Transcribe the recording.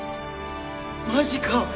マジか！